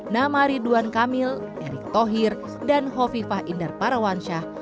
nama ridwan kamil erik tohir dan hovifah indar parawansyah